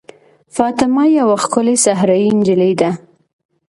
فاطمه یوه ښکلې صحرايي نجلۍ ده.